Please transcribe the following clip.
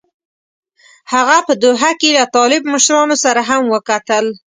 هغه په دوحه کې له طالب مشرانو سره هم وکتل.